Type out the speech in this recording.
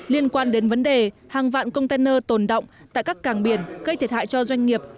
liên quan đến vấn đề hàng vạn container tồn động tại các cảng biển gây thiệt hại cho doanh nghiệp